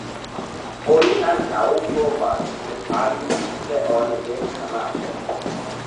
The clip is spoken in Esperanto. Oni ankaŭ povas prepari teon de kanabo.